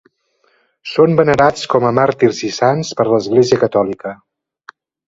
Són venerats com a màrtirs i sants per l'Església catòlica.